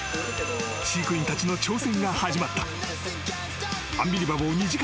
飼育員たちの挑戦が始まった。